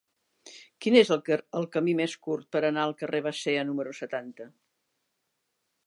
Quin és el camí més curt per anar al carrer de Basea número setanta?